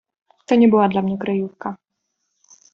"To nie była dla mnie kryjówka."